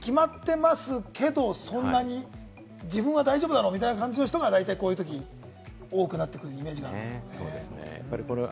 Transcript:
決まってますけれども、そんなに自分は大丈夫だろうみたいな感じの人が大体、こういうとき多くなってくるイメージがありますね。